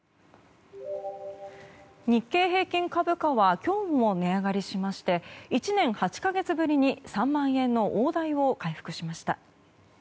日経平均株価は今日も値上がりしまして１年８か月ぶりに３万円の大台を回復しました。